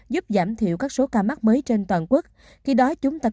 giúp giảm thiệu các số ca mắc mới trên toàn quốc